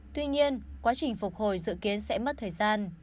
tuy nhiên quá trình phục hồi dự kiến sẽ mất thời gian